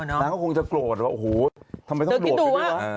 นางก็คงจะโกรธว่าโอ้โหทำไมต้องโกรธไปด้วยนะ